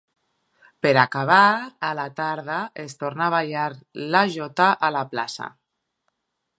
Per acabar, a la tarda, es torna a ballar la jota a la plaça.